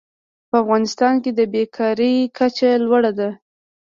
په افغانستان کې د بېکارۍ کچه لوړه ده.